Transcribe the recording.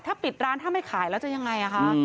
ถ้าปิดร้านถ้าไม่ขายแล้วจะยังไงคะ